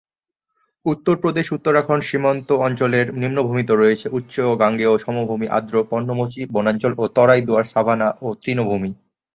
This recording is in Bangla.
উত্তরপ্রদেশ-উত্তরাখণ্ড সীমান্ত অঞ্চলের নিম্নভূমিতে রয়েছে উচ্চ গাঙ্গেয় সমভূমি আর্দ্র পর্ণমোচী বনাঞ্চল ও তরাই-দুয়ার সাভানা ও তৃণভূমি।